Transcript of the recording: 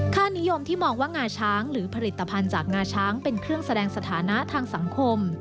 ค่านิยมที่มองว่างาช้างหรือผลิตภัณฑ์จากงาช้างเป็นเครื่องแสดงสถานะทางสังคม